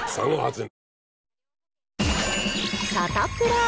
サタプラ。